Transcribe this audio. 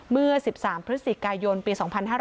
เมื่อ๑๓พฤศจิกายนปี๒๕๕๙